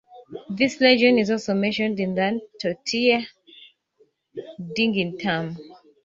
This legion is also mentioned in the Notitia Dignitatum.